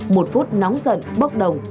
một phút nóng giận bốc đồng